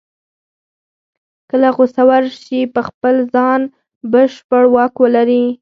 کله غوسه ورشي په خپل ځان بشپړ واک ولري.